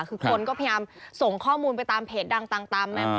คือคนก็พยายามส่งข้อมูลไปตามเพจดังต่าง